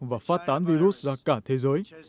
và phát tán virus ra cả thế giới